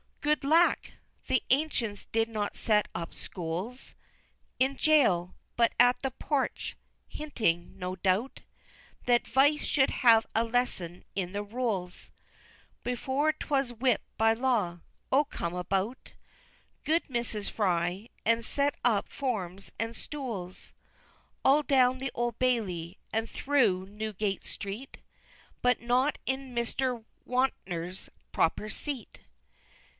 Good lack! the ancients did not set up schools In jail but at the Porch! hinting, no doubt, That Vice should have a lesson in the rules Before 'twas whipt by law. O come about, Good Mrs. Fry! and set up forms and stools All down the Old Bailey, and thro' Newgate Street, But not in Mr. Wontner's proper seat!